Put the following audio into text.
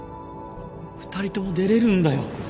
２人とも出れるんだよ